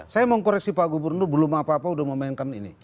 saya mau koreksi pak gubernur belum apa apa udah memainkan ini